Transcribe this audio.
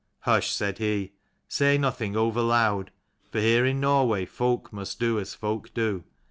" Hush," said he, " say nothing over loud ; for here in Norway folk must do as folk do.